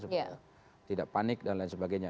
supaya tidak panik dan lain sebagainya